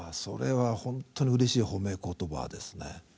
それは本当にうれしい褒め言葉ですね。